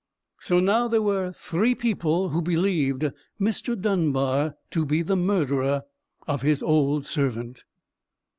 So now there were three people who believed Mr. Dunbar to be the murderer of his old servant.